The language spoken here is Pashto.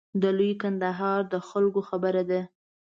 د لوی کندهار د خلکو خبره ده.